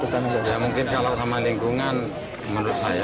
mungkin kalau sama lingkungan menurut saya